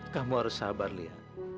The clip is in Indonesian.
kamu harus sabar liat